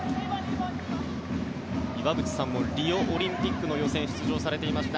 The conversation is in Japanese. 岩渕さんもリオオリンピックの予選に出場されていました。